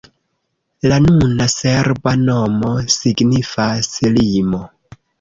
La nuna serba nomo signifas: limo.